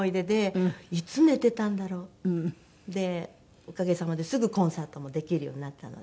おかげさまですぐコンサートもできるようになったので。